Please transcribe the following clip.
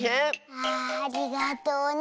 ああありがとうね。